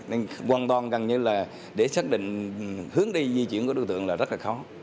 nên hoàn toàn gần như là để xác định hướng đi di chuyển của đối tượng là rất là khó